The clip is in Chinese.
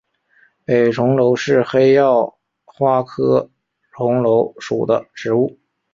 北重楼是黑药花科重楼属的植物。